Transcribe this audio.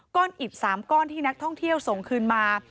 อิบ๓ก้อนที่นักท่องเที่ยวส่งคืนมา